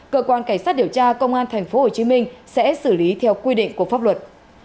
cơ quan cảnh sát điều tra công an tp hcm sẽ xử lý theo quy định của pháp luật